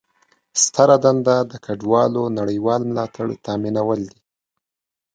ستره دنده د کډوالو نړیوال ملاتړ تامینول دي.